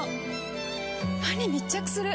歯に密着する！